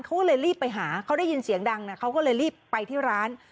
เขาเลยรีบไปหาเขาได้ยินเสียงดังนะเขาก็เลยรีบไปที่ร้าน